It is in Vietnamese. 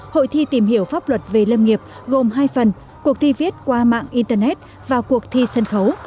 hội thi tìm hiểu pháp luật về lâm nghiệp gồm hai phần cuộc thi viết qua mạng internet và cuộc thi sân khấu